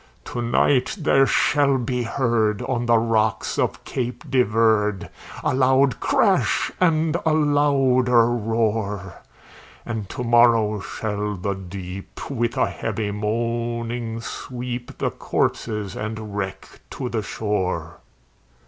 "To night there shall be heard on the rocks of Cape de Verde, A loud crash, and a louder roar; And to morrow shall the deep, with a heavy moaning, sweep The corpses and wreck to the shore."